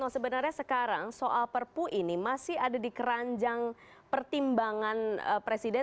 sebenarnya sekarang soal perpu ini masih kita topik pertimbangan presiden